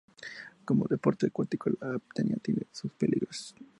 Como deporte acuático la apnea tiene sus peligros.